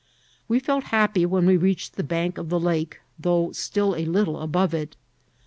We felt happy when we reached the bcmk of the lake, though still a little above it.